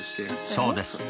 そうです。